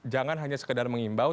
jangan hanya sekedar mengimbau